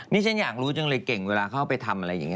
นี่ฉันอยากรู้จังเลยเก่งเวลาเข้าไปทำอะไรอย่างนี้